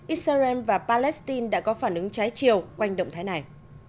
israel và palestine đã có phản ứng trái chiều quanh động thái này